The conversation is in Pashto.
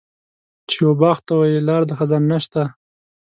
چې و باغ وته یې لار د خزان نشته.